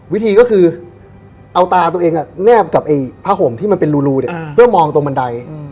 วิธีก็คือเอาตาตัวเองแนบกับผาห่มรูเพื่อมองตรงบันได